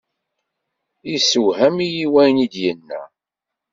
Yessewhem-iyi wayen i d-yenna.